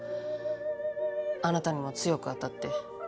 あなたにも強く当たって。